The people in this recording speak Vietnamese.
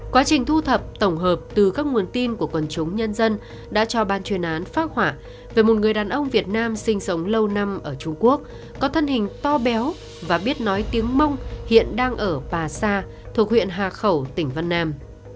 quá trình thu thập tổng hợp từ các nguồn tin của quần chúng nhân dân đã cho ban chuyên án phác họa về một người đàn ông việt nam sinh sống lâu năm ở trung quốc có thân hình to béo và biết nói tiếng mông hiện đang ở pà sa thuộc huyện hà khẩu tỉnh vân nam